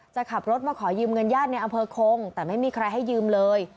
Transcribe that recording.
จะขับรถมาขอยืมเงินญาติในอำเภอคงแต่ไม่มีใครให้ยืมเลย